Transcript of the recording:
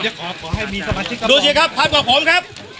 เดี๋ยวเดี๋ยวขอให้มีสมาชิกดูสิครับท่านกว่าผมครับ